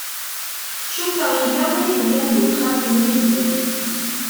Cukkeɣ yella win i yellan di texxamt-nni n zdat.